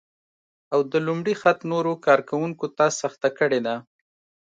او د لومړي خط نورو کار کونکو ته سخته کړې ده